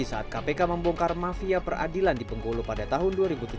saat kpk membongkar mafia peradilan di bengkulu pada tahun dua ribu tiga belas